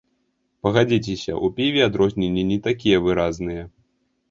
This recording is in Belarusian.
Пагадзіцеся, у піве адрозненні не такія выразныя.